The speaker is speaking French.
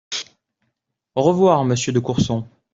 Au revoir, monsieur de Courson